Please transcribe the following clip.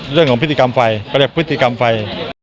เรื่องของพิธีกรรมไฟพิธีกรรมไฟ